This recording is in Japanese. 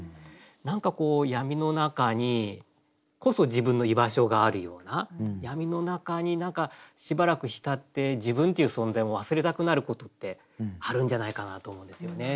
何かこう闇の中にこそ自分の居場所があるような闇の中に何かしばらく浸って自分という存在を忘れたくなることってあるんじゃないかなと思うんですよね。